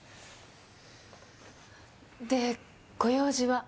でご用事は？